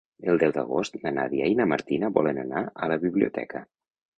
El deu d'agost na Nàdia i na Martina volen anar a la biblioteca.